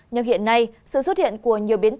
nhưng hiện nay sự xuất hiện của nhiều biên tế